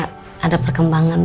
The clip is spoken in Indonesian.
saudara juga ada perkembangan ya